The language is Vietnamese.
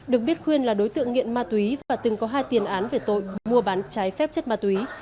được biết khuyên là đối tượng nghiện ma túy và từng có hai tiền án về tội mua bán trái phép chất ma túy